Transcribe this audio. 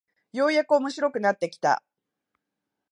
ようやく面白くなってきた